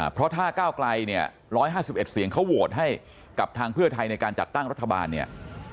เพราะถ้าก้าวไกลเนี่ย๑๕๑เสียงเขาโหวตให้กับทางเพื่อไทยในการจัดตั้งรัฐบาลเนี่ย